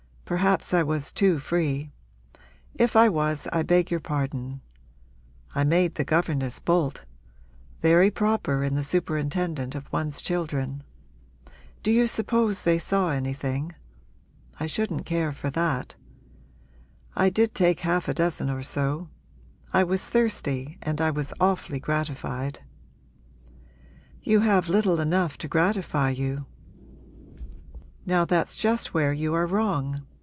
Perhaps I was too free; if I was I beg your pardon. I made the governess bolt very proper in the superintendent of one's children. Do you suppose they saw anything? I shouldn't care for that. I did take half a dozen or so; I was thirsty and I was awfully gratified.' 'You have little enough to gratify you.' 'Now that's just where you are wrong.